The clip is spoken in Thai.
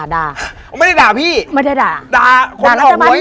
ดาไม่ได้ดาพี่ดาคนของเขาหวย